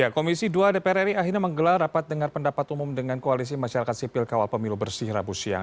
komisi dua dpr ri akhirnya menggelar rapat dengar pendapat umum dengan koalisi masyarakat sipil kawal pemilu bersih rabu siang